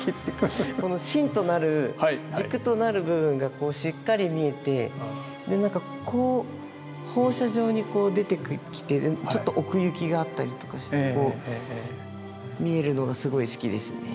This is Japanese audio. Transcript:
芯となる軸となる部分がしっかり見えてこう放射状に出てきてるちょっと奥行きがあったりとかして見えるのがすごい好きですね。